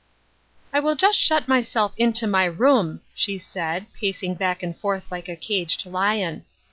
'* I will just shut myself into my room," she said, pacing back and forth like a caged lion.